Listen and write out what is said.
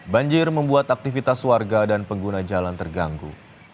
banjir membuat aktivitas warga dan pengguna jalan terganggu